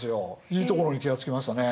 いいところに気が付きましたね。